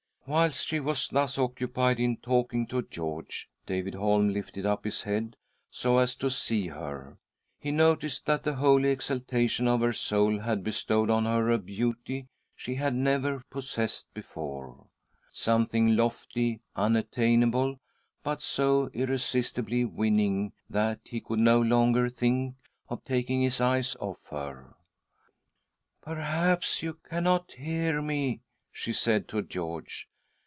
Whilst she was thus occupied in talking to George, David Holm lifted up his head so as to see her. He noticed that the holy exaltation of her soul had . bestowed on her a beauty she had never possessed before ^omething lofty, unattainable, but so 1 " 4* •■..• s no THY SOUL SHALL BEAR WITNESS ! irresistibly winning that . he could no longer think of taking his eyes off her. " Perhaps you cannot hear me?" she said to •George.